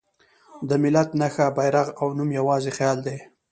د ملت نښه، بیرغ او نوم یواځې خیال دی.